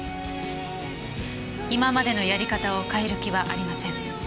今までのやり方を変える気はありません。